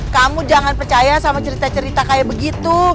kamu jangan percaya sama cerita cerita kayak begitu